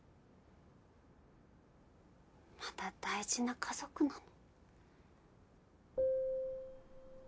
まだ大事な家族なの。